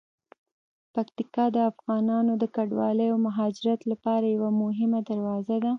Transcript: پکتیکا د افغانانو د کډوالۍ او مهاجرت لپاره یوه مهمه دروازه ده.